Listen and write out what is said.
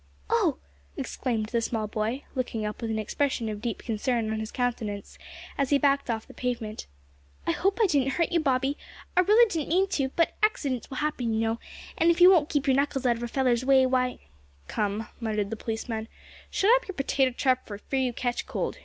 "Oh!" exclaimed the small boy, looking up with an expression of deep concern on his countenance, as he backed off the pavement, "I hope I didn't hurt you, bobby; I really didn't mean to; but accidents will happen, you know, an' if you won't keep your knuckles out of a feller's way, why " "Come," muttered the policeman, "shut up your potato trap for fear you catch cold.